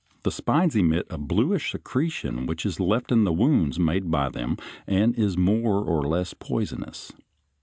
The spines emit a bluish secretion which is left in the wounds made by them, and is more or less poisonous.